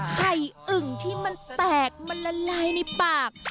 ไข่อึ่งที่มันแตกมันละลายในปาก